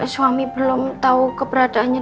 suami belum tau keberadaannya